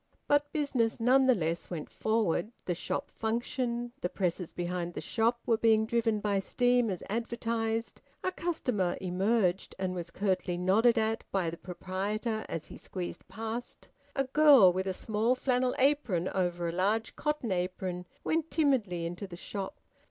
But business none the less went forward, the shop functioned, the presses behind the shop were being driven by steam as advertised; a customer emerged, and was curtly nodded at by the proprietor as he squeezed past; a girl with a small flannel apron over a large cotton apron went timidly into the shop.